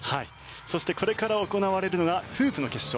そしてこれから行われるのがフープの決勝。